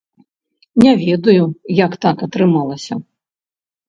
Не ведаю, як так атрымалася.